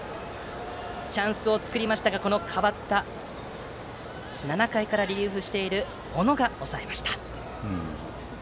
チャンスを作りましたが７回からリリーフしている小野が抑えました。